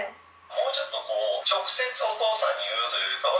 もうちょっとこう直接お父さんに言うというよりかは。